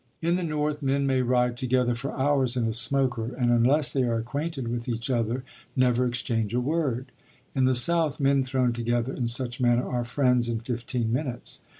In the North men may ride together for hours in a "smoker" and unless they are acquainted with each other never exchange a word; in the South men thrown together in such manner are friends in fifteen minutes.